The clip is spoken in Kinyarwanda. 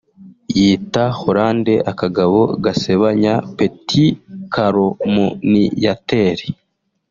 yita Hollande akagabo gasebanya (petit calomniateur)